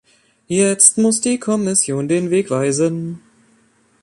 Jetzt muss die Kommission den Weg weisen.